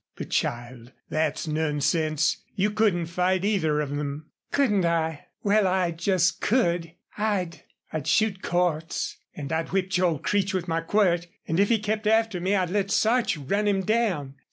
"But, child, that's nonsense. You couldn't fight either of them." "Couldn't I? Well, I just could. I'd I'd shoot Cordts. And I'd whip Joel Creech with my quirt. And if he kept after me I'd let Sarch run him down.